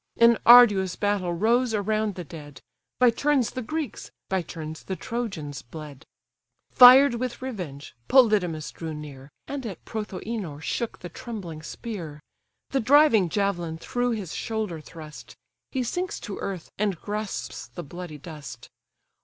An arduous battle rose around the dead; By turns the Greeks, by turns the Trojans bled. Fired with revenge, Polydamas drew near, And at Prothoënor shook the trembling spear; The driving javelin through his shoulder thrust, He sinks to earth, and grasps the bloody dust.